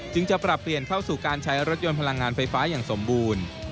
จะปรับเปลี่ยนเข้าสู่การใช้รถยนต์พลังงานไฟฟ้าอย่างสมบูรณ์